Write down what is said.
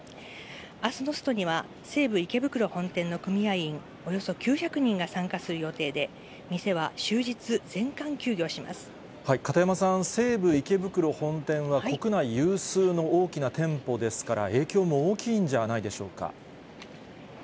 あすのストには、西武池袋本店の組合員およそ９００人が参加する予定で、片山さん、西武池袋本店は国内有数の大きな店舗ですから、影響も大きいんじゃないでしょうか。